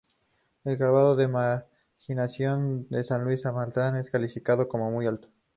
El grado de marginación de San Luis Amatlán es clasificado como Muy alto.